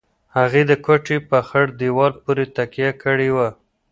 هغې د کوټې په خړ دېوال پورې تکيه کړې وه.